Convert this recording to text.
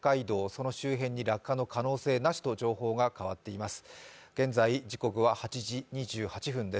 その周辺に落下の可能性なしと情報が変わっています。